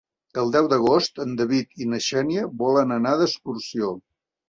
El deu d'agost en David i na Xènia volen anar d'excursió.